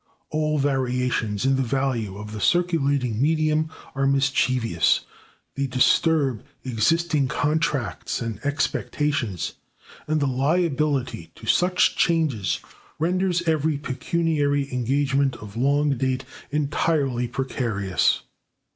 All variations in the value of the circulating medium are mischievous: they disturb existing contracts and expectations, and the liability to such changes renders every pecuniary engagement of long date entirely precarious.